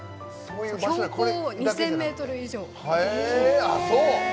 標高２０００ｍ以上。